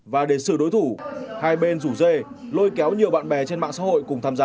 và để xử đối thủ hai bên rủ dê lôi kéo nhiều bạn bè trên mạng xã hội cùng tham gia